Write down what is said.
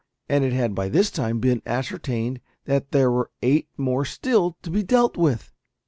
And it had by this time been ascertained that there were eight more still to be dealt with!